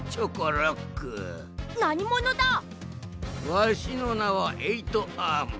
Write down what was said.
わしのなはエイトアーム。